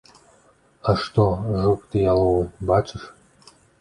А што, жук ты яловы, бачыш?